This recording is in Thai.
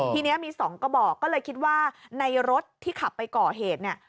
ทีนี้มี๒กระบอกก็เลยคิดว่าในรถที่ขับไปก่อเหตุเนี่ย